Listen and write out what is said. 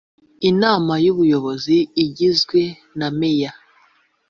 inama y ubuyobozi igizwe na meya